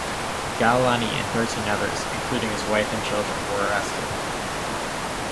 Ghailani and thirteen others, included his wife and children, were arrested.